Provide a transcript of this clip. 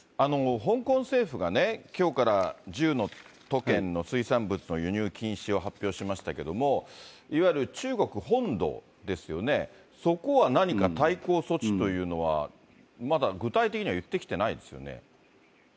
香港政府がね、きょうから１０の都県の水産物の輸入禁止を発表しましたけども、いわゆる中国本土ですよね、そこは何か対抗措置というのは、まだ具体的には言ってきてないですよね。